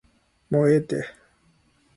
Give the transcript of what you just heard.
もうええて